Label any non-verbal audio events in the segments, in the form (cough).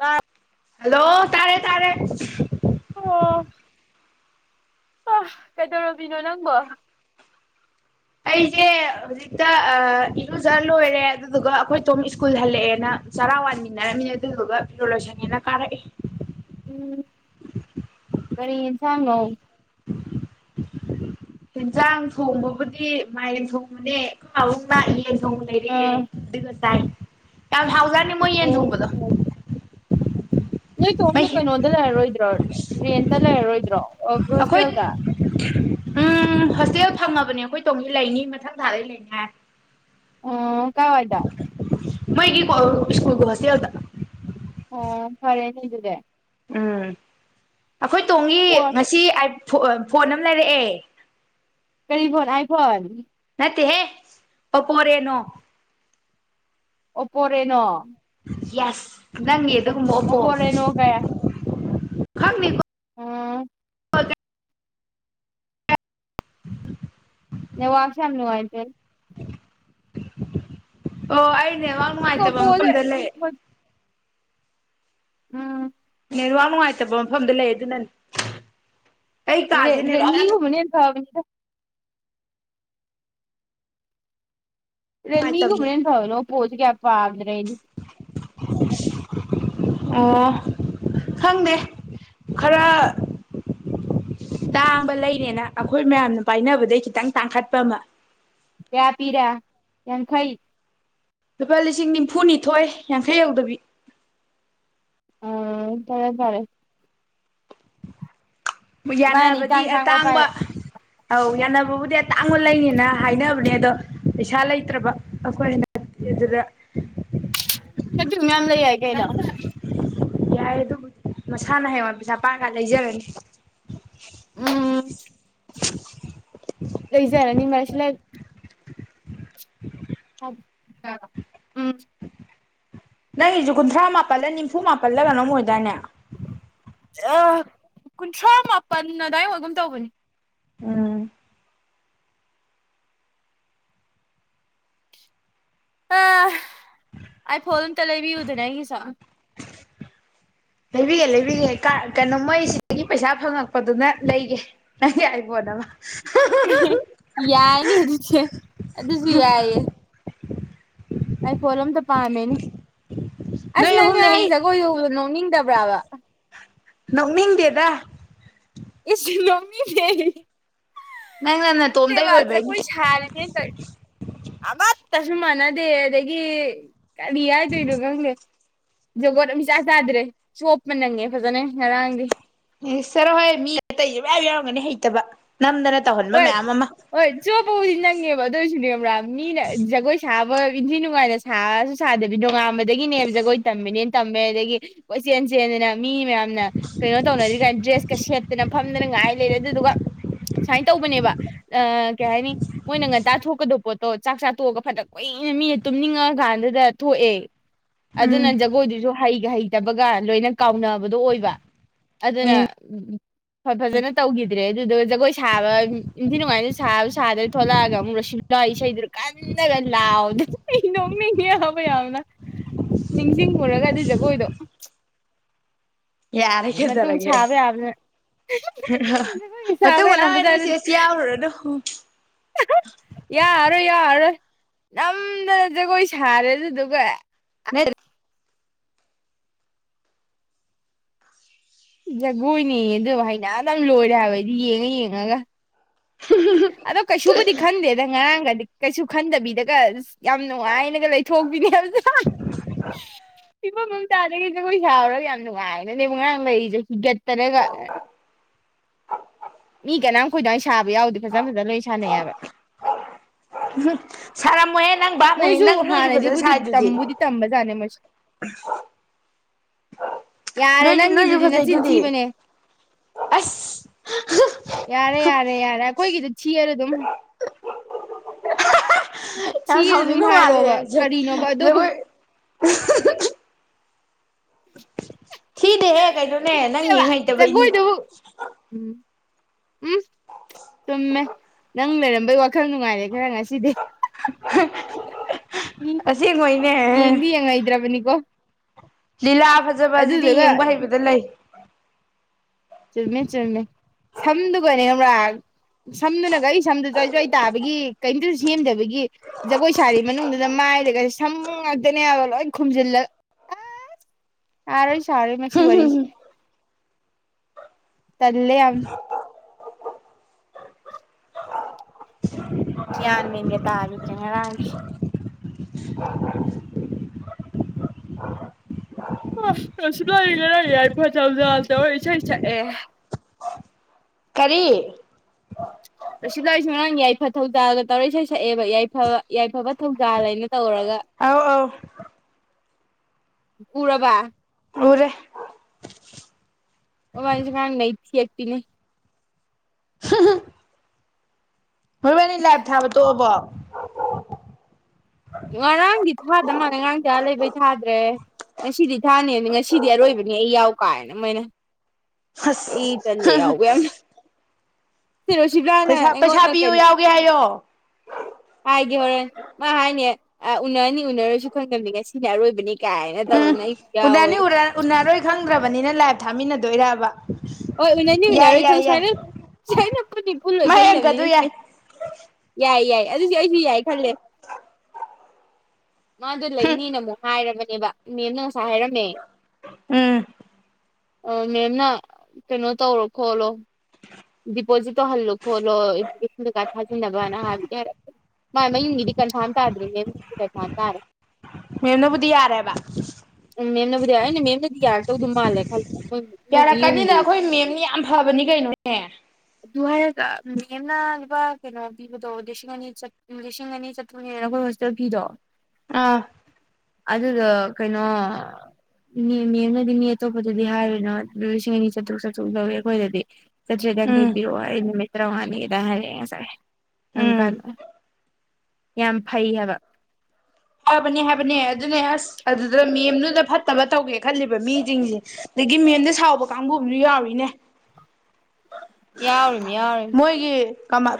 ꯀ ꯍꯜꯂꯣ ꯇꯥꯔꯦ ꯇꯥꯔꯦ ꯑ ꯀꯩꯗꯧꯔꯕꯤꯅꯣ ꯅꯪꯕꯣ ꯑꯩꯁꯦ ꯍꯧꯖꯤꯛꯇ ꯏꯔꯨꯖ ꯂꯣꯏꯔꯦ ꯑꯗꯨꯗꯨꯒ ꯑꯩꯈꯣꯏ ꯇꯣꯝ ꯁ꯭ꯀꯨꯜ ꯍꯜꯂꯛꯑꯦꯅ ꯆꯔꯥ ꯋꯥꯟꯃꯤꯟꯅꯔꯝꯃꯤꯅꯦ ꯑꯗꯨꯗꯨꯒ ꯐꯤꯔꯣꯜ ꯂꯣꯏꯁꯪꯉꯦꯅ ꯀꯥꯔꯛꯑꯦ ꯎꯝ ꯀꯔꯤ ꯍꯦꯟꯖꯥꯡ ꯅ‌ꯣ ꯍꯦꯟꯖꯥꯡ ꯊꯣꯡꯕꯕꯨꯗꯤ ꯃꯥꯏꯔꯦꯟ ꯊꯣꯡꯕꯅꯦ ꯑꯩꯈ‌ꯣꯏ ꯄꯥꯕꯨꯡ ꯂꯥꯛꯏ ꯊꯣꯡ ꯑ ꯂꯩꯔꯛ ꯑꯦ ꯑꯗꯨ ꯇꯥꯏ ꯀꯡꯌꯥꯝ ꯍꯥꯎꯖꯥꯠꯅ‌ꯦ ꯅꯤ ꯃꯣꯏꯟ ꯍꯣꯡꯕꯗꯣ ꯑꯣ ꯅꯣꯏ ꯇꯣꯝꯗ ꯀꯩꯅꯣꯗ ꯂꯩꯔꯔꯣꯏꯗ꯭ꯔꯣ ꯔꯦꯟꯇ ꯂꯩꯔꯔꯣꯏꯗꯣ ꯭ꯔꯣ ꯑꯣ ꯑꯩꯈꯣꯏ ꯍꯣꯁꯇꯦꯜꯗ ꯎꯝ ꯍꯣꯁꯇꯦꯜ ꯐꯪꯉꯕꯅꯦ ꯑꯩꯈꯣꯏ ꯇꯣꯡꯉ ꯂꯩꯅꯤ ꯃꯊꯪ ꯊꯥꯗꯩ ꯂꯩꯅꯤ ꯍꯥꯏ ꯑꯣꯝ ꯀꯋꯥꯏꯗ ꯃꯣꯏꯒꯤ ꯏꯁꯀꯨꯜꯒꯤ ꯍꯣꯁꯇꯦꯜꯗ ꯑꯣ ꯐꯔꯦꯅꯦ ꯑꯗꯨꯗꯤ ꯎꯝ ꯑꯩꯈꯣꯏ ꯇꯣꯡꯉ ꯑꯣ ꯉꯁꯤ ꯐꯣꯟ ꯑꯃ ꯂꯩꯔꯛꯑꯦ ꯀꯔꯤ ꯐꯣꯟ ꯑꯥꯏ ꯐꯣꯟ ꯅꯠꯇꯦꯍꯦ ꯑꯣꯄꯣꯔꯦꯅꯣ ꯑꯣꯄꯣꯔꯦꯅꯣ ꯌꯦꯁ ꯅꯪꯉ ꯑꯗꯨꯒꯨꯝꯕ ꯑꯣꯄꯣ ꯑꯣꯞꯄꯣ ꯔꯦꯅꯣ ꯈꯔꯣ ꯑꯝ ꯐ (inaudible) ꯅ ꯋꯥꯁ ꯌꯥꯝꯅꯅꯨꯡ ꯍꯥꯏꯥꯏꯇ ꯑꯣ ꯦ ꯋꯥ ꯃꯥꯥꯏ ꯑꯁ ꯇꯕ ꯑꯣꯞꯄꯣꯁꯦ ꯃꯐꯝꯝꯗ ꯂꯩꯦ ꯎꯝ ꯅꯨꯡꯉꯥꯏꯇꯕ ꯃꯐꯝꯗ ꯂꯩ ꯑꯗꯨꯅꯅꯦ ꯑꯩ ꯔ ꯀꯥꯁꯦ ꯅꯦꯠꯋꯥꯛ ꯔꯅꯤ ꯌꯥꯝ ꯍꯃꯅꯤ ꯊꯕꯅꯤꯗ ꯅꯨꯡꯉꯥꯏꯇꯕꯅꯦ ꯔꯅꯤ ꯨꯝꯃꯅ ꯊꯅꯣ ꯄꯣ ꯆꯩ ꯀ ꯄꯄꯥꯗꯔꯅꯤ ꯑꯣ ꯈꯪꯗꯦ ꯈꯔ ꯇꯥꯡꯕ ꯂꯩꯔꯦꯅ ꯑꯩꯈꯣꯏ ꯃꯌꯥꯝꯅ ꯄꯥꯏꯅꯕꯗꯩ ꯈꯤꯇꯪ ꯇꯥꯡꯈꯠꯄ ꯑꯃ ꯀ ꯄꯤꯔ ꯌꯥꯝ ꯈꯩ ꯂꯨꯄꯥ ꯂꯤꯁꯤꯡ ꯅꯤꯝꯐꯨꯅꯤꯊꯣꯏ ꯌꯥꯡꯈꯩ ꯌꯧꯗꯕꯤ ꯎꯝ ꯐꯔꯦ ꯐꯔꯦ ꯃꯥꯅꯤ ꯌꯥꯅꯕꯗꯤ ꯏꯇꯥꯡ ꯇꯥꯡꯕ ꯑꯇꯥꯡꯕ ꯄꯥꯏꯔꯦ ꯑꯧ ꯌꯥꯅꯕꯕꯨꯗꯤ ꯑꯇꯥꯡꯕ ꯂꯩꯅꯤꯅ ꯍꯥꯏꯅꯕꯅꯦ ꯑꯗꯣ ꯄꯩꯁꯥ ꯂꯩꯇ꯭ꯔꯕ ꯑꯩꯈꯣꯏꯅ ꯑꯗꯨꯗ ꯑꯗꯨ ꯃꯌꯥꯝ ꯂꯩ ꯌꯥꯏ (inaudible) ꯌꯥꯏ ꯑꯗꯨꯕꯨ ꯃꯁꯥꯅ ꯍꯌꯦꯉ ꯄꯩꯁ ꯄꯥꯒ ꯂꯩꯖꯔꯅꯤ ꯎꯝ (inaudible) ꯂꯩꯖꯔꯅꯤ ꯃꯁꯂ ꯑ ꯑ ꯎꯝ ꯅꯪꯒꯤꯁꯨ ꯀꯨꯟꯊ꯭ꯔꯥ ꯃꯥꯄꯜꯂ ꯅꯤꯝꯐꯨ ꯃꯥꯄꯜꯂ ꯀꯩꯅꯣꯝ ꯑꯣꯏꯗꯏꯅꯦ ꯀꯨꯟꯊ꯭ꯔꯥ ꯃꯥꯄꯜ ꯑꯗꯨꯋꯥꯏ ꯋꯥꯒꯨꯝ ꯇꯧꯕꯅꯤ ꯎꯝ ꯑ ꯑꯩ ꯐꯣꯟꯣꯟ ꯑꯝꯇ ꯂꯩꯕꯤꯌꯨꯗꯅ ꯑꯩꯒꯤꯁ ꯂꯩꯕꯤꯒꯦ ꯂꯩꯕꯤꯒꯦ ꯀꯩꯅꯣ ꯃꯣꯏꯁꯤꯗꯒꯤ ꯄꯩꯁꯥ ꯐꯪꯉꯛꯄꯗꯨꯅ ꯂꯩꯒꯦ ꯅꯪꯒꯤ ꯑꯩꯕꯣꯟ ꯑꯃ ꯌꯥꯏꯅꯤ ꯑꯗꯨꯖꯤ ꯑꯗꯨ ꯑꯗꯨꯁꯨ ꯌꯥꯏꯏꯌꯦ ꯑꯩ ꯐꯣꯟ ꯑꯝꯇ ꯄꯥꯝꯃꯦꯅꯦ ꯑꯁ ꯅꯣꯏ ꯅꯪ ꯑꯍꯨꯝꯅ ꯉꯔꯥꯡ ꯍꯩ ꯖꯒꯣꯏ ꯌꯧꯕꯗꯣ ꯅꯣꯛꯅꯤꯡꯗꯕ ꯕ꯭ꯔꯥꯕ ꯅꯧꯅꯤꯡꯗꯦꯗ ꯏꯁꯂꯣꯃꯤ ꯂꯩ ꯅꯪꯅ ꯇ ꯅꯇꯣꯝꯗꯩ ꯋꯥꯖ ꯑꯣꯏꯕꯩꯅꯤ ꯀꯣꯏ ꯁꯜ ꯅꯇ ꯑꯠꯇꯁꯨ ꯃꯥꯟꯅꯗꯦ ꯑꯗꯒꯤ ꯀꯔꯤ ꯍꯥꯏꯗ ꯏꯔ ꯉꯪꯦ ꯖꯒꯣꯠ ꯑꯃꯆꯥ ꯆꯥꯗ꯭ꯔꯦ ꯁꯣꯞꯄ ꯅꯪꯉꯦ ꯐꯖꯅ ꯉꯔꯥꯡꯗꯤ ꯑꯦ ꯆꯔꯣ ꯍꯣꯏ ꯃꯤ ꯑꯇꯩꯁꯨ ꯃꯌꯥꯝ ꯌꯥꯎꯔꯝꯒꯅꯤ ꯍꯩꯇꯕ ꯅꯝꯗꯅ ꯇꯧꯍꯟꯕ ꯃꯌꯥꯝ ꯑꯃ ꯕꯨꯗꯤ ꯅꯪꯉꯦꯕ ꯑꯗꯨ ꯑꯣꯏꯁꯨꯅꯦꯕ ꯃꯤ ꯖꯒꯣꯏꯁꯕ ꯣꯏ ꯏꯟꯊꯤ ꯅꯨꯡꯉꯥꯏꯅ ꯁꯥꯔꯁꯨ ꯁꯥꯗꯕꯤ ꯅꯣꯡꯉꯥꯟꯕꯗꯒꯤꯅꯦꯕ ꯖꯒꯣꯏ ꯇꯝꯃꯤꯅꯦꯅ ꯇꯝꯃꯦ ꯑꯗꯒꯤ ꯀꯣꯏ ꯆꯦꯟ ꯆꯦꯟꯗꯅ ꯃꯤ ꯃꯌꯥꯝꯅ ꯀꯩꯅꯣ ꯇꯧꯅꯔꯤ ꯀꯥꯏꯅ ꯗ꯭ꯔꯦꯁꯀ ꯁꯦꯠꯇꯅ ꯐ ꯉꯥꯏ ꯂꯩ ꯑꯗꯨꯗꯨ ꯁꯨꯃꯥꯏꯅ ꯇꯧꯕꯅꯦꯕ ꯑ ꯀꯩ ꯍꯥꯏꯅꯤ ꯃꯣꯏꯅ ꯉꯟꯇꯥ ꯊꯣꯛꯀꯗꯕ ꯄꯣꯠꯇꯣ ꯆꯥꯛ ꯆꯥ ꯇꯑꯒ ꯐꯅ ꯀꯨꯏꯅ ꯃꯤꯅ ꯇꯨꯝꯅꯤꯡꯉ ꯀꯥꯟꯗꯨꯗ ꯊꯣꯛꯑꯦ ꯑꯗꯨ ꯎꯝ ꯅꯪ ꯖꯒ ꯑꯣꯏꯣꯏꯗꯣꯏꯁꯨꯣ ꯍꯩꯒ ꯍꯩꯇꯕꯒ ꯂꯣꯏꯅ ꯀꯥꯎꯅꯕꯗꯣ ꯑꯣꯏꯕ ꯑꯗꯨꯅ ꯎꯝ ꯐꯖꯅ ꯇꯧꯈꯤꯗ꯭ꯔꯦ ꯑꯗꯨꯗ ꯖꯒꯣꯏ ꯁꯥꯕ ꯅꯤꯡꯊꯤ ꯅꯨꯡꯉꯥꯏꯗ ꯁꯥꯕ ꯁꯥꯗ꯭ꯔ ꯊ ꯊꯣꯛꯂꯛꯑꯒ ꯑꯃꯨꯛ ꯂꯁꯤꯂ ꯏꯁꯩꯗꯨ ꯀꯜꯂꯒ ꯂꯥꯎꯗ ꯅꯣꯡ ꯍꯕ ꯌꯥꯅ ꯅꯤꯡꯁꯤꯡꯉꯨꯔꯒ ꯑꯗꯨ ꯖꯒꯣꯏꯗꯣ ꯌꯥꯔꯦ ꯃꯇꯨꯡ ꯀꯩꯗꯧꯔꯒꯦ ꯁꯥꯕ ꯌꯥꯕꯅ ꯃꯇꯨꯡ ꯃꯅꯥꯎ ꯑꯣꯏꯅ ꯌꯥꯝꯌꯥꯝꯕꯖꯥꯗꯦ ꯁꯦꯁ ꯌꯥꯎꯔꯨꯔꯅꯨ ꯌꯥꯔꯣꯏ ꯌꯥꯔꯣꯏ ꯅꯝꯗꯅ ꯖꯒꯣꯏ ꯁꯥꯔꯦ ꯑꯗꯨꯗꯨꯒ ꯑꯁ ꯅꯔꯤ ꯖꯒꯣꯏꯅꯦ ꯑꯗꯨ ꯍꯩꯅ ꯑꯗꯨ ꯂꯣꯏꯔꯦ ꯍꯥꯏꯕꯗꯤ ꯌꯦꯡꯉ ꯌꯦꯡꯉꯒ ꯑꯗꯀ ꯁꯨꯕꯗꯤꯛ ꯍꯟꯦꯗꯪ ꯉꯥꯡꯗꯤ ꯀꯩꯁꯨ ꯈꯟꯗꯕꯤꯗꯒ ꯌꯥꯝ ꯅꯨꯡꯉꯥꯏꯅꯒ ꯂꯩꯊꯣꯛꯄꯤꯅꯦ ꯍꯧ ꯐꯤꯐꯝ ꯑꯝꯇꯥꯗꯒꯤ ꯖꯒꯣꯏ ꯁꯥꯎꯔꯒ ꯌꯥꯝ ꯅꯨꯡꯉꯥꯏꯅꯅꯦꯕ ꯉꯔꯥꯡ ꯂꯩꯔꯤꯁꯦ ꯍꯤꯒꯠꯇꯅꯒ ꯃꯤ ꯀꯅꯥ ꯈꯣꯏꯗꯥꯋꯥ ꯁꯥꯕ ꯌꯥꯎꯗꯦꯕ ꯐꯖ ꯐꯖꯅ ꯂꯣꯏ ꯁꯥꯟꯅꯩꯌꯦꯕ ꯁꯥꯔꯝꯃꯣꯏꯍꯦ ꯅꯪ ꯚꯥꯞꯅꯅꯤ ꯃꯣꯏꯁꯨ ꯅꯪ ꯅꯣꯏꯁꯨ ꯐꯖꯅ ꯍꯥꯟꯅꯗꯤꯕꯨꯗꯤ ꯁꯥꯏꯗꯨꯗꯤ ꯇꯝꯕꯨꯗꯤ ꯇꯝꯕꯖꯥꯠꯅꯦ ꯃꯣꯏꯁꯨ ꯌꯥꯔꯦ ꯅꯣꯏꯁꯨ ꯅꯣꯏꯁꯨ ꯅꯪꯒꯤꯗꯨꯗꯤ ꯅꯆꯤꯟ ꯐꯖꯩꯗꯨꯗꯤ ꯊꯤꯕꯅꯦ ꯑꯁ ꯑꯣꯏ ꯁꯤꯔ ꯑꯗꯨꯝ ꯌꯥꯝ ꯁꯤꯗ ꯑꯗꯨꯝ ꯁꯥꯎꯅꯤꯡꯕ ꯃꯥꯜꯂꯦ ꯍꯥꯏꯔꯛꯑꯣꯕ ꯀꯔꯤꯅꯣꯕ ꯑꯗꯨꯕꯨ ꯖꯒꯣꯏ (unintelligible) ꯊꯤꯗꯤꯍꯦ ꯀꯩꯗꯣꯅꯦ ꯅꯪ ꯅꯠꯇꯦꯕ ꯌꯦꯡ ꯍꯩꯇꯕꯩꯅꯦ ꯖꯒꯣꯏꯗꯨꯕꯨ ꯎꯝ ꯎꯝ ꯆꯨꯝꯃꯦ ꯅꯪ ꯂꯩꯔꯝꯕꯩ ꯋꯥꯈꯜ ꯅꯨꯡꯉꯥꯏꯔꯦ ꯍ ꯉ ꯉꯁꯤꯗꯦ ꯎꯝ ꯑꯁꯦꯡꯕꯩꯅꯦ ꯌꯦꯡꯗꯤ ꯌꯦꯉꯥꯏꯗ꯭ꯔꯥꯕꯅꯤ ꯋꯥ ꯂꯤꯂꯥ ꯐꯖꯕ ꯑꯁꯤꯗꯤ ꯌꯦꯡꯕ ꯍꯩꯕꯗ ꯂꯩ ꯆꯨꯝꯃꯦ ꯆꯨꯝꯃꯦ ꯁꯝꯗꯨꯒꯅꯦ ꯑꯃ꯭ꯔꯥ ꯁꯝꯗꯨꯅꯒ ꯑꯩ ꯁꯝꯗꯨꯁꯨ ꯑꯩꯁꯨ ꯑꯩ ꯇꯥꯕꯒꯤ ꯀꯩꯅꯣꯇꯁꯨ ꯁꯦꯝꯗꯕꯒꯤ ꯖꯒꯣꯏ ꯁꯥꯔꯤ ꯃꯅꯨꯡꯗꯨꯗ ꯃꯥꯏꯗꯒ ꯁꯝ ꯉꯥꯛꯇꯅꯦꯕ ꯂꯣꯏ ꯈꯨꯝꯖꯤꯜꯂꯒ ꯑꯁ ꯁꯥꯔꯣꯏ ꯁꯥꯔꯣꯏ ꯃꯁꯤ ꯋꯥꯔꯤꯁꯤꯦ ꯇꯂ ꯌꯥꯝ ꯌꯥꯥꯟ ꯅꯤꯡꯒ ꯇ ꯍꯥꯏꯗ꯭ꯔꯦ ꯉ ꯔꯥꯡ ꯀꯁꯨ ꯂꯔꯤ ꯂꯩꯔ ꯌꯥꯏꯐꯖ ꯖꯥ ꯇꯣꯏ ꯏꯁꯩ ꯁꯛꯑꯦ ꯀꯔꯤ ꯁꯤꯗ ꯑꯩꯔꯤꯁꯦ ꯉꯔꯥꯡ ꯌꯥꯏꯐ ꯊꯧꯖꯥꯜꯒ ꯇꯧꯔꯩ ꯁ ꯁꯛꯑꯦꯕ ꯌꯥꯏꯐ ꯌꯥꯏꯐꯕ ꯊꯧꯖꯥꯜ ꯍꯥꯏꯅ ꯇꯧꯔꯒ ꯑꯧ ꯑꯧ ꯎꯔꯕ ꯎꯔꯦ ꯑꯣ ꯋꯥꯅꯤ ꯆꯀꯥꯟ ꯅ ꯊꯤ ꯑꯦꯛꯇꯄꯤꯅꯦ ꯃꯔꯨꯣꯏꯕꯥꯅꯤ ꯂꯥꯏꯞ ꯊꯥꯕ ꯇꯣꯛꯕꯣ ꯉꯔꯥꯡꯗꯤ ꯊꯥꯗ ꯃꯥꯜꯂꯦ ꯉꯔꯥꯡ ꯆꯌꯥꯥ ꯂꯩꯕꯩ ꯊꯥꯗ꯭ꯔꯦ ꯉꯁꯤꯗꯤ ꯊꯥꯅꯤꯗ ꯉꯁꯤꯗꯤ ꯑꯔꯣꯏꯕꯅꯤ ꯑꯩ ꯌꯥꯎ ꯀꯥꯏꯅ ꯃꯣꯏꯅ ꯍꯁ ꯏ ꯇꯜꯂꯦ ꯌꯥꯎꯕ ꯌꯥꯝꯅ ꯁꯤꯔꯣꯁꯤꯕ꯭ꯂꯥꯅ ꯄꯩꯁꯥ ꯄꯩꯁꯥ ꯄꯤꯌꯨ ꯌꯥꯎꯒꯦ ꯍꯥꯏꯌꯣ ꯍꯥꯏꯦ ꯍ ꯃꯥ ꯍꯥꯏꯅꯤ ꯑ ꯎꯅꯔꯅꯤ ꯎꯅꯔꯁꯨ ꯈꯪꯗꯝꯕꯅꯤ ꯉꯁꯤꯅꯦ ꯑꯔꯣꯏꯕꯅꯤ ꯀꯥꯏꯅ ꯎꯝ ꯇꯧꯗꯅ ꯎꯅꯅꯤ ꯌꯥꯎꯋꯦ ꯎꯅꯔꯣꯏ ꯈꯪꯗ꯭ꯔꯕꯅꯤꯅ ꯂꯥꯏꯚ ꯊꯥꯃꯤꯟꯅꯗꯦ ꯑꯗꯨꯗꯣ ꯏꯔꯕ ꯍꯣꯏ ꯎꯅꯅꯤ ꯎꯅꯔꯣꯏ ꯈꯪ ꯁꯥꯏꯅꯅ ꯀꯨꯂ ꯃꯥꯏ ꯑꯪꯀꯗꯨ ꯌꯥꯏ ꯆꯪꯅꯦꯦ ꯌꯥꯏ ꯌꯥꯏ ꯑꯗꯨꯁꯨ ꯑꯩꯁꯨ ꯌꯥꯏ ꯈꯜꯂꯦ ꯃꯥꯗꯣ ꯂꯩꯅꯤꯅ ꯑꯃꯨꯛ ꯍꯥꯏꯔꯕ ꯅꯦꯕ ꯃꯦꯝꯅ ꯉꯁꯥꯏ ꯍꯥꯏꯔꯝꯃꯦ ꯎꯝ ꯃꯦꯝꯅ ꯀꯩꯅꯣ ꯇꯧꯔꯣ ꯈꯣꯠꯂꯣ ꯗꯤꯄꯣꯖꯤꯠ ꯇꯧꯍꯜꯂꯣ ꯈꯣꯠꯂꯣ ꯏꯗꯨꯀꯦꯁꯟꯗ ꯀꯥꯔꯗ ꯊꯥꯖꯤꯟꯅꯕꯅ ꯍꯥꯏꯕꯗꯤ ꯍꯥꯏ ꯃꯥ ꯃꯌꯨꯝꯒꯤꯗꯤ ꯀꯟꯐꯥꯔꯝ ꯇꯥꯗ꯭ꯔꯤꯅꯦꯒꯤ ꯀꯟꯐꯥꯝ ꯇꯥꯔ ꯃꯦꯅꯕꯨꯗꯤ ꯌꯥꯔꯦꯕ ꯎꯝ ꯃꯦꯝꯅꯕꯨꯗꯤ ꯌꯥꯏ ꯑꯩꯅ ꯃꯦꯝꯅꯗꯤ ꯌꯥꯔꯗꯧꯗ ꯃꯥꯜꯂꯦ ꯈꯂꯦ ꯌꯥꯔꯛꯀꯅꯤꯗ ꯑꯩꯈꯣꯏ ꯃꯦꯝꯅꯤ ꯌꯥꯝ ꯐꯕꯅꯤ ꯀꯩꯅꯣ ꯍꯦ ꯑꯗꯨ ꯍꯥꯏꯔꯒ ꯃꯦꯝꯅ ꯂꯨꯄꯥ ꯀꯩꯅꯣ ꯄꯤꯕꯗꯣ ꯂꯤꯁꯤꯡ ꯑꯅꯤ ꯂꯤꯁꯤꯡ ꯑꯅꯤ ꯆꯇ꯭ꯔꯨꯛꯅꯦꯅ ꯑꯩꯈꯣꯏ ꯍꯣꯁꯇꯦꯜ ꯐꯤꯗꯣ ꯑꯥ ꯑꯗꯨꯗ ꯀꯩꯅꯣ ꯃꯤ ꯃꯤꯦꯝꯅꯗꯤ ꯃꯤ ꯑꯇꯣꯞꯄꯗꯗꯤ ꯍꯥꯏꯔꯤꯣꯏꯅꯣ ꯂꯤꯁꯤꯡ ꯑꯅꯤ ꯆꯇ꯭ꯔꯨꯛ ꯆꯥꯇ꯭ꯔꯨꯛ ꯂꯧꯧꯏꯤ ꯑꯩꯈꯣꯏꯗꯗꯤ ꯆꯥꯇ꯭ꯔꯦꯠ ꯎꯝ ꯍꯕꯤꯔꯛꯑꯣ ꯑꯩ ꯅꯨꯃꯤꯠ ꯇꯔꯥꯃꯉꯥꯅꯤꯒꯤꯗ ꯍꯥꯏꯔꯛꯑꯦ ꯉꯁꯥꯏ ꯎꯝ ꯑꯪꯀꯥꯟꯗ ꯌꯥꯝ ꯐꯩ ꯍꯥꯏꯕ ꯍꯥꯏꯕꯅꯦ ꯍꯥꯏꯕꯅꯦ ꯑꯗꯨꯅꯦ ꯑꯁ ꯑꯗꯨꯗ ꯃꯦꯝꯗꯨꯗ ꯐꯠ ꯐꯠꯇꯕ ꯇꯧꯒꯦ ꯈꯜꯂꯤꯕ ꯃꯤꯁꯤꯡꯁꯦ ꯑꯗꯒꯤ ꯃꯦꯟꯗ ꯁꯥꯎꯕ ꯀꯥꯡꯕꯨ ꯑꯃꯁꯁꯨ ꯌꯥꯎꯔꯤꯅꯦ ꯌꯥꯎꯅꯤ ꯌꯥꯎꯔ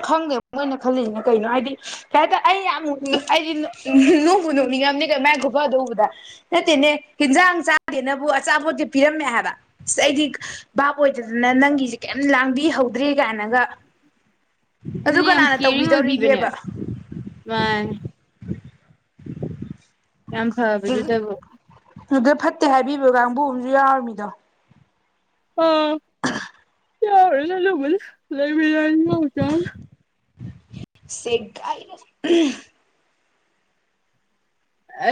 ꯈꯪꯒꯦꯕ ꯃꯣꯏꯅ ꯈꯜꯂꯤꯁꯤꯅ ꯀꯩꯅꯣ ꯍꯥꯏꯗꯤ ꯀꯩ ꯍꯥꯏꯇꯥꯔꯦ ꯑꯩ ꯌꯥꯝ ꯑꯩꯗꯤ ꯄꯨ ꯅꯣꯛꯅꯤꯡꯉꯝꯅꯤ ꯀ ꯃꯥꯏꯅ ꯈꯨꯨꯞꯐꯗ ꯎꯧꯕꯗ ꯅꯠꯇꯦꯅꯦ ꯍꯟꯖꯥꯡ ꯆꯥꯗꯦꯅꯕꯨ ꯑꯆꯥꯄꯣꯠꯇꯤ ꯄꯤꯔꯝꯃꯦ ꯍꯥꯏꯕ ꯑ ꯑꯩꯗꯤ ꯚꯥꯞ ꯑꯣꯏꯗꯗꯅ ꯅꯪꯒꯤꯁꯦ ꯀꯩꯝ ꯂꯥꯡꯕꯤꯍꯧꯗ꯭ꯔꯦ ꯀꯥꯏꯅꯒ ꯑꯗꯨ ꯑꯗꯨꯅꯦ ꯌꯥꯝ ꯀꯅꯥꯅ ꯀꯦꯌꯔꯤꯡ ꯑꯣꯏꯕꯤꯕꯅꯦ ꯇꯧꯕꯤꯗꯧꯔꯤꯒꯦꯕ ꯃꯥꯅꯦ ꯌꯥꯝꯌꯥꯝ ꯐꯕꯖꯨꯗ ꯑꯗꯨꯗ ꯐꯠꯇꯦ ꯍꯥꯏꯕꯤꯕꯣ ꯀꯥꯡꯕꯨ ꯑ ꯑꯃꯁꯨ ꯌꯥꯎꯔꯃꯤꯗꯣ ꯎꯝ ꯌꯥ ꯂ ꯂꯨ ꯂꯩ ꯔꯌꯥꯅꯤ ꯆ ꯁꯦꯥꯏꯔ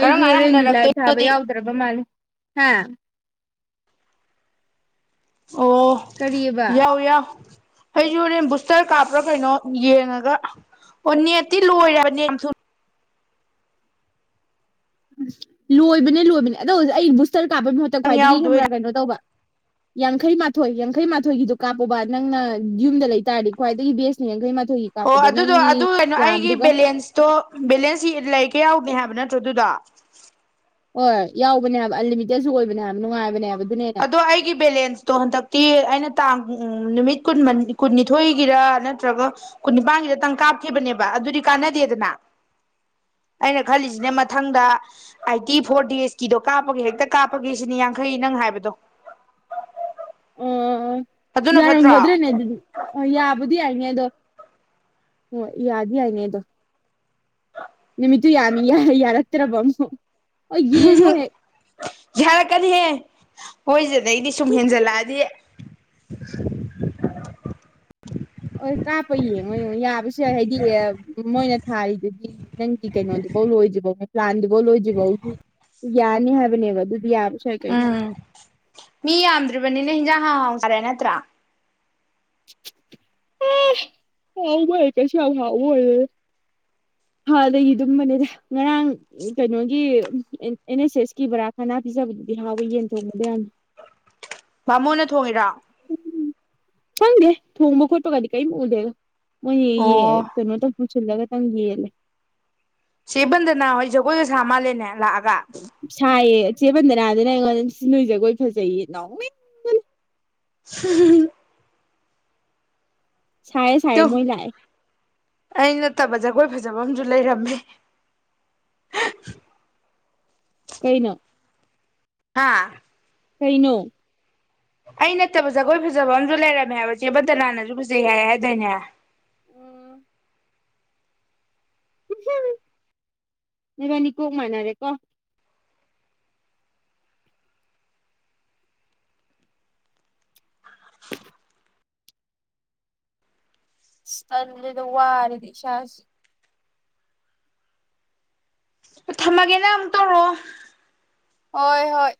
ꯀꯔꯝ ꯀꯥꯟꯗ ꯍꯣꯔꯦꯟꯗꯤꯂꯥꯏ ꯊꯥꯕ ꯍꯟꯅꯔꯛꯇꯣꯏꯅꯣꯗꯤ ꯌꯥꯎꯗ꯭ꯔꯕ ꯃꯥꯜꯂꯦ ꯍꯥꯥ ꯑꯣ ꯀꯔꯤꯑꯕ ꯌꯥꯎ ꯌꯥꯎ ꯑꯩꯁꯨ ꯍꯣꯔꯦꯟ ꯕꯨꯁꯇꯔ ꯀꯥꯞꯄ꯭ꯔꯥ ꯀꯩꯅꯣ ꯌꯦꯡꯉꯒ ꯑꯣ ꯅꯦꯠꯇꯤ ꯂꯣꯏꯔꯦ ꯅ ꯊ ꯂꯣꯏꯕꯅꯦ ꯂꯣꯏꯕꯅꯦ ꯑꯗꯣ ꯍꯧꯖꯤꯛ ꯑꯩ ꯇꯔ ꯀꯥꯕꯒꯤ ꯃꯍꯨꯠꯇ ꯅꯪ ꯌꯥꯎꯗꯣꯏꯅꯦ ꯈ꯭ꯋꯥꯏꯗꯒꯤꯥ ꯀꯩꯅꯣ ꯇꯧꯕ ꯌꯥꯡꯈꯩ ꯃꯥꯊꯣꯏ ꯌꯥꯡꯈꯩ ꯃꯥꯊꯣꯏꯒꯤꯗꯣ ꯀꯥꯞꯄꯨꯕ ꯅꯪꯅ ꯌꯨꯝꯗ ꯂꯩꯇꯥꯥꯔꯗꯤ ꯈ꯭ꯋꯥꯏꯗꯒꯤ ꯕꯦꯁꯅꯦ ꯌꯥꯡꯈꯩ ꯃꯥꯊꯣꯏ ꯑꯣ ꯑꯗꯨꯗꯣ ꯑꯗꯨ ꯀꯩꯅꯣ ꯑꯩꯒꯤ ꯕꯦꯂꯦꯟꯁꯇꯣ ꯕꯦꯂꯦꯟꯁ ꯂꯩ ꯀ ꯌꯥꯎꯒ ꯍꯥꯏꯕ ꯅꯠꯇ꯭ꯔꯣ ꯇꯗꯨꯗ ꯍꯣꯏ ꯌꯥꯎꯕꯅꯦꯕ ꯑꯟꯂꯤꯃꯤꯇꯦꯠꯁꯨ ꯑꯣꯏꯕꯅꯦꯕ ꯅꯨꯡꯉꯥꯏꯕꯅꯦꯕ ꯑꯗꯣ ꯑꯩꯒꯤ ꯕꯦꯂꯦꯟꯁꯇꯣ ꯍꯟꯗꯛꯇꯤ ꯑꯩꯅ ꯇꯥꯡ ꯎꯝ ꯅꯨꯃꯤꯠ ꯀꯨꯟ ꯀꯨꯟꯅꯤꯊꯣꯏꯒꯤꯔ ꯅꯠꯇ꯭ꯔꯒ ꯀꯨꯟꯅꯤꯄꯥꯟꯒꯤꯔꯇꯪ ꯀꯥꯞꯈꯤꯕꯅꯦꯕ ꯑꯗꯨꯗꯤ ꯀꯥꯟꯅꯗꯦꯗꯅ ꯑꯩꯅ ꯈꯜꯂꯤꯁꯤꯅꯦ ꯃꯊꯪꯗ ꯑꯥꯏꯠꯇꯤ ꯐꯣꯔ ꯗꯦꯖꯀꯤꯗꯣ ꯀꯥꯞꯄꯒꯤ ꯍꯦꯛꯇ ꯀꯥꯞꯄꯒꯤꯦ ꯁꯤꯅꯤ ꯌꯥꯡꯈꯩ ꯅꯪ ꯍꯥꯏꯕꯗ ꯑꯗꯨ ꯎꯝ ꯌꯥꯔꯝꯒꯗ꯭ꯔꯦꯅꯦ ꯑꯗꯨꯗꯤ ꯌꯥꯕꯨꯗꯤ ꯌꯥꯏꯅꯦ ꯑꯗꯣ ꯍꯣꯏ ꯌꯥꯗ ꯌꯥꯏꯅꯦꯗꯣ ꯅꯨꯃꯤꯠꯇꯨ ꯌꯥꯅꯤ ꯌꯥꯔꯛꯇ꯭ꯔꯕ ꯑꯃꯣ ꯍ ꯌꯦꯡꯉꯣ ꯍꯦꯛ ꯍꯣꯏꯖꯗꯦ ꯑꯗ ꯑꯩꯗꯤ ꯁꯨꯝ ꯍꯦꯟꯖꯜꯂꯛꯑꯗꯤ (inaudible) ꯑꯣ ꯀꯥꯞꯄꯩꯌꯦ ꯃꯣꯏ ꯌꯥ ꯍꯥꯏꯦꯗꯤ ꯃꯣꯏꯅ ꯊꯥꯔꯤꯗꯨꯗꯤ ꯅꯪꯒꯤ ꯀꯩꯅꯣꯗꯨꯐꯥꯎ ꯂꯣꯏꯗ꯭ꯐꯧꯅꯦ ꯄ꯭ꯂꯥꯟꯗꯨꯐꯥꯎ ꯂꯣꯏꯗ꯭ꯔꯤꯐꯥꯎꯗꯤ ꯌꯥꯅꯤ ꯍꯥꯏꯕꯅꯦꯕ ꯑꯗꯨ ꯎꯝ ꯃꯤ ꯌꯥꯝꯗ꯭ꯔꯤꯕꯅꯤꯅ ꯍꯤꯟꯖꯥꯡ ꯑ ꯀꯔꯦꯅꯠꯇ ꯍꯥꯎꯕꯣꯏ ꯀꯩꯁꯨ ꯌꯥꯝ ꯍꯥꯎꯕꯔꯦ ꯍꯥꯟꯗꯒꯤ ꯑꯗꯨꯝꯕꯅꯦꯗ ꯉꯔꯥꯡ ꯀꯩꯅꯣꯒꯤ ꯑꯦꯟ ꯑꯦꯁ ꯑꯦꯁꯀꯤ ꯕꯔꯥ ꯀꯅꯥ ꯄꯤꯖꯕꯗꯨꯗꯤ ꯍꯥꯎꯋꯦ ꯌꯦꯟ ꯊꯣꯡꯕꯗ ꯌꯥꯝ ꯃꯥꯃꯣꯅ ꯊꯣꯡꯉꯤꯔꯥ ꯆꯪꯦ ꯊꯣꯡꯕ ꯈꯣꯠꯄꯒꯗꯤ ꯀꯩꯗꯦꯒ ꯃꯣꯏ ꯑꯣ ꯀꯩꯅꯣ ꯆꯜꯂꯒꯇꯪ ꯌꯦꯌꯦꯂꯦ ꯁꯤꯕꯟꯗꯅꯍ ꯍꯣꯏ ꯖꯒꯣꯏꯁꯨꯁ ꯁꯥ ꯃꯥꯜꯂꯦꯅꯦ ꯂꯥꯛꯑꯒ ꯁꯥꯏꯌꯦ ꯆꯦꯕꯟꯗꯅꯥꯗꯅ ꯑꯩꯉꯣꯟꯗ ꯁꯤ ꯅꯣꯏ ꯖꯒꯣꯏ ꯐꯖꯩꯌꯦ ꯅꯥꯎ ꯝ ꯁꯥꯏ ꯆꯥꯏ ꯃꯣꯏ ꯂꯥꯏ ꯑ ꯅꯠꯇꯕ ꯖꯒꯣꯏ ꯐꯖꯕ ꯑꯃꯁꯝꯨ ꯂꯩꯔꯝꯃꯤ ꯀꯩꯅ ꯍꯥꯥ ꯀꯩꯅꯣ ꯑꯩ ꯅꯠꯇꯕ ꯖꯒꯣꯏ ꯐꯖꯕ ꯑꯝꯨ ꯂꯩꯔꯝꯃꯦ ꯍꯥꯏꯕ ꯆꯦꯕꯟꯇꯅꯥꯅꯁꯨ ꯐꯖꯩ ꯍꯥꯏ ꯍꯥꯏꯗꯣꯏꯅꯦ ꯔꯅꯤ ꯀꯣꯣꯡ ꯍꯥꯏꯅꯔꯦ ꯀꯣ ꯊꯟꯗ ꯋꯥꯔꯗꯤ ꯁꯥꯁꯤ ꯊꯝꯃꯒꯦꯅꯦ ꯑꯃꯨꯛ ꯇꯧꯔꯣ ꯍꯣꯏ ꯍꯣꯏ